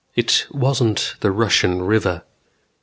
It wasn't the Russian River.